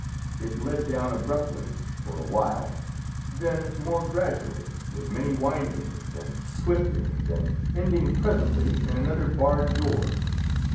It led down abruptly, for a while, then more gradually, with many windings and twistings, and ending presently in another barred door.